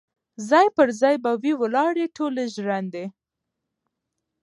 ځاي پر ځای به وي ولاړي ټولي ژرندي